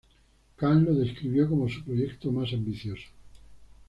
Khan lo describió como su "proyecto más ambicioso".